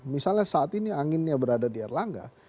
misalnya saat ini anginnya berada di erlangga